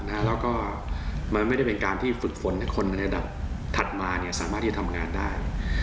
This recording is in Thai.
แล้วก็มันไม่ได้เป็นการที่ฝึกฝนให้คนในระดับถัดมาสามารถที่จะทำงานได้